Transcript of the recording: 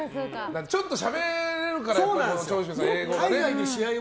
ちょっとしゃべれるから英語が。